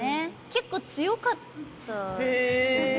結構強かったですよね。